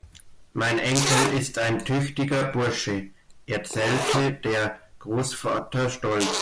"Mein Enkel ist ein tüchtiger Bursche", erzählte der Großvater stolz.